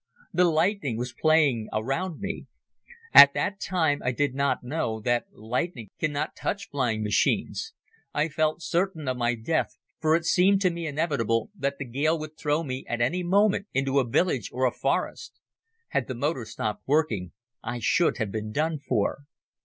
The lightning was playing around me. At that time I did not yet know that lightning cannot touch flying machines. I felt certain of my death for it seemed to me inevitable that the gale would throw me at any moment into a village or a forest. Had the motor stopped working I should have been done for.